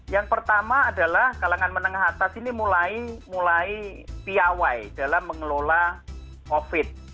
yang pertama adalah kalangan menengah atas ini mulai piawai dalam mengelola covid